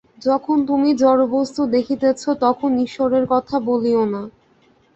যখন তুমি জড়বস্তু দেখিতেছ, তখন ঈশ্বরের কথা বলিও না।